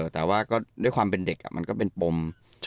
แต่ว่าก็ด้วยความเป็นเด็กมันก็เป็นปม